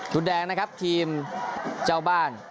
แดงนะครับทีมเจ้าบ้าน